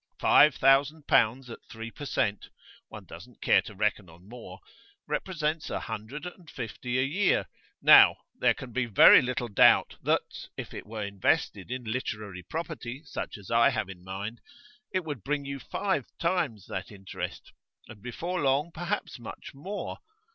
Five thousand pounds at three per cent. one doesn't care to reckon on more represents a hundred and fifty a year. Now, there can be very little doubt that, if it were invested in literary property such as I have in mind, it would bring you five times that interest, and before long perhaps much more.